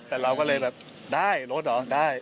แต่เราก็เลยแบบได้รถเหรอได้